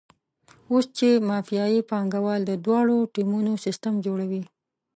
اوس چې مافیایي پانګوال د دواړو ټیمونو سیستم جوړوي.